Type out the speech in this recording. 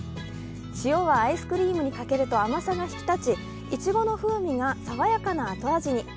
塩はアイスクリームにかけると甘さが引き立ちいちごの風味が爽やかな後味に。